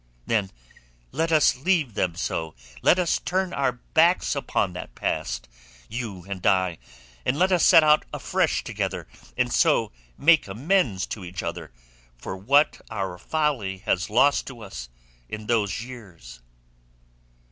"Then let us leave them so. Let us turn our backs upon that past, you and I, and let us set out afresh together, and so make amends to each other for what our folly has lost to us in those years."